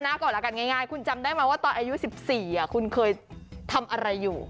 ก่อนแล้วกันง่ายคุณจำได้ไหมว่าตอนอายุ๑๔คุณเคยทำอะไรอยู่